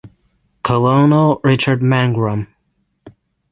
Colonel Richard Mangrum.